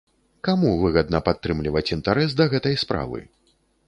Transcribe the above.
Каму выгадна падтрымліваць інтарэс да гэтай справы?